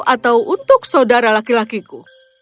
atau untuk saudara laki lakiku